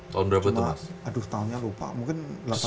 cuma aduh tahunnya lupa mungkin